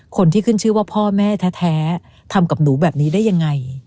คนที่ขึ้นชื่อว่าพ่อแม่แท้ทำกับหนูแบบนี้ได้ยังไง